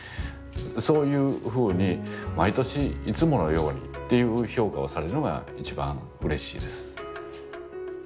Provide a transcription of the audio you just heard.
そういうふうに毎年「いつものように」っていう評価をされるのが一番うれしいです。